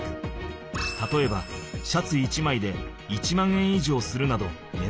たとえばシャツ１まいで１万円いじょうするなどねだんが高い。